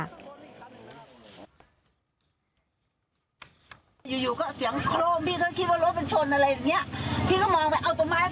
อยู่ก็เสียงโครมพี่ก็คิดว่ารถเป็นอะไรอย่างนี้